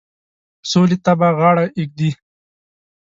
سولي ته به غاړه ایږدي.